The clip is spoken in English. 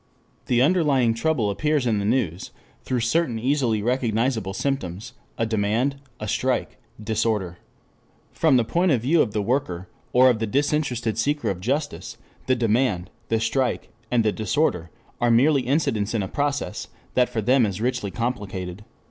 The underlying trouble appears in the news through certain easily recognizable symptoms, a demand, a strike, disorder. From the point of view of the worker, or of the disinterested seeker of justice, the demand, the strike, and the disorder, are merely incidents in a process that for them is richly complicated.